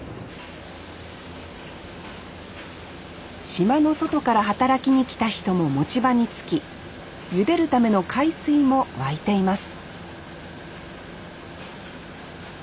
島の外から働きに来た人も持ち場につきゆでるための海水も沸いています